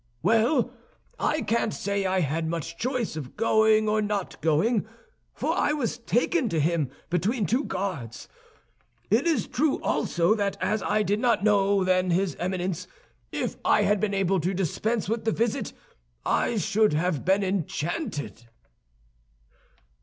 "Well, I can't say I had much choice of going or not going, for I was taken to him between two guards. It is true also, that as I did not then know his Eminence, if I had been able to dispense with the visit, I should have been enchanted."